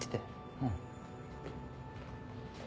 うん。